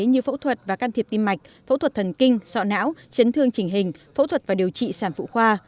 như phẫu thuật và can thiệp tim mạch phẫu thuật thần kinh sọ não chấn thương chỉnh hình phẫu thuật và điều trị sản phụ khoa